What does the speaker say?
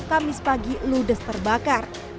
kamis pagi ludes terbakar